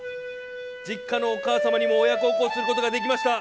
実家のお母様にも親孝行することができました。